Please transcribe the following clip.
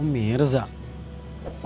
om mirza gak keliatan dah